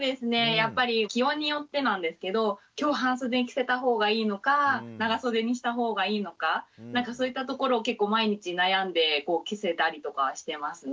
やっぱり気温によってなんですけど今日半袖着せた方がいいのか長袖にした方がいいのかそういったところを結構毎日悩んで着せたりとかはしてますね。